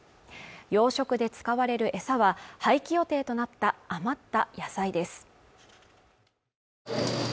養殖で使われるエサは廃棄予定となった余った野菜です